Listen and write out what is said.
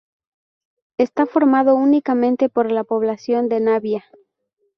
Está formado únicamente por la población de Navia.